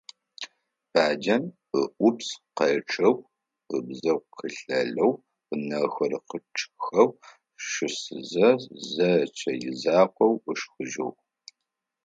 Баджэм ыӀупс къечъэу ыбзэгу къилэлэу, ынэхэр къичъхэу щысызэ, зэкӀэ изакъоу ышхыжьыгъ.